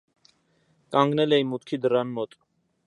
Կանգնել էի մուտքի դռան մոտ: